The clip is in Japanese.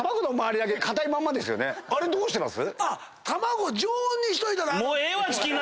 あれどうしてます？